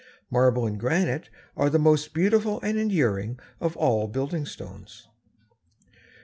Marble and granite are the most beautiful and enduring of all building stones.